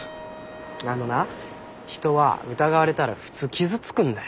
あのな人は疑われたら普通傷つくんだよ。